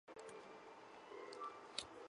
谢承锡之曾孙。